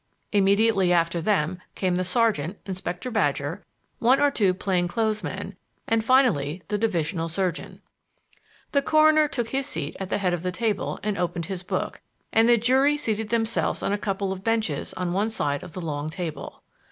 Immediately after them came the sergeant, Inspector Badger, one or two plain clothes men, and finally the divisional surgeon. The coroner took his seat at the head of the table and opened his book, and the jury seated themselves on a couple of benches on one side of the long table.